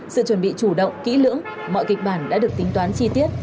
sự chuẩn bị chủ động kỹ lưỡng mọi kịch bản đã được tính toán chi tiết